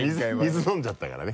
水飲んじゃったからね。